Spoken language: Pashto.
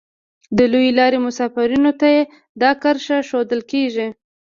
د لویې لارې مسافرینو ته دا کرښه ښودل کیږي